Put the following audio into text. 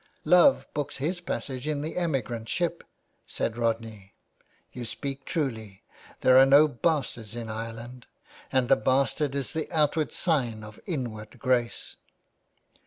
" Love books his passage in the emigrant ship," said Rodney. "You speak truly. There are no bastards in Ireland ; and the bastard is the outward sign of inward grace."